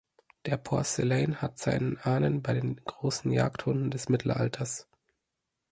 Der Porcelaine hat seine Ahnen bei den großen Jagdhunden des Mittelalters.